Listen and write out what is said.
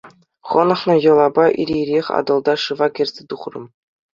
Хӑнӑхнӑ йӑлапа ир-ирех Атӑлта шыва кӗрсе тухрӑм.